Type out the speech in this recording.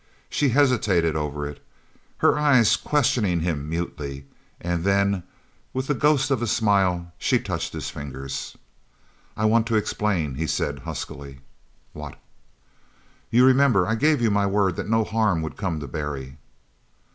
She hesitated over it, her eyes questioning him mutely, and then with the ghost of a smile she touched his fingers. "I want to explain," he said huskily. "What?" "You remember I gave you my word that no harm would come to Barry?"